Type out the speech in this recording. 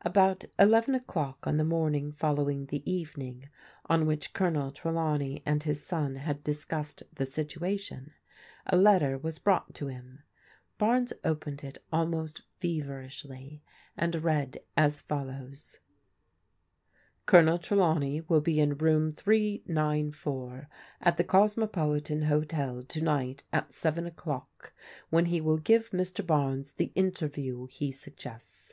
About eleven o'clock on the morning following the evening on which Colonel Trelawney and his son had discussed the situation, a letter was brought to him. Barnes opened it almost feverishly and read as icJ\o^^\ 170 PB0DI6AL DAUOHTEBS " Coload TrdawncT will be in Room 394 at the G)s mopolitan Hotel to night at seven o'clock, when he will give Mr. Barnes the interview he suggests.